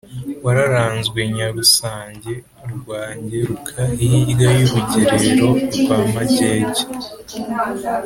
wararanzwe Nyarusange rwa Ngeruka hilya y’urugerero rwa Magege